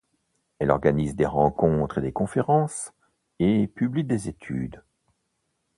Elle organise des rencontres et des conférences, et publie des études.